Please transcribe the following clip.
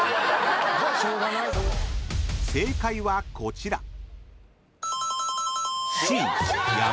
［正解はこちら］